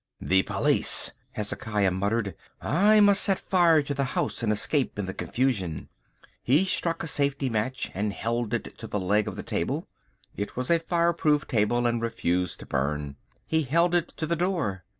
"The police!" Hezekiah muttered. "I must set fire to the house and escape in the confusion." He struck a safety match and held it to the leg of the table. It was a fireproof table and refused to burn. He held it to the door.